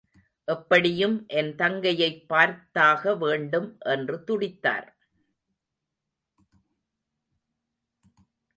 எப்படியும் என் தங்கையைப் பார்த்தாக வேண்டும் என்று துடித்தார்.